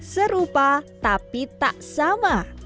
serupa tapi tak sama